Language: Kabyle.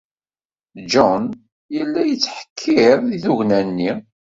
John yella yettḥekkir deg tugna-nni.